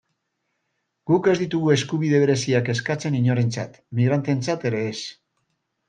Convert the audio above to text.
Guk ez ditugu eskubide bereziak eskatzen inorentzat, migranteentzat ere ez.